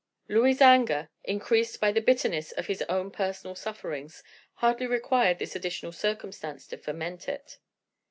Louis's anger, increased by the bitterness of his own personal sufferings, hardly required this additional circumstance to foment it.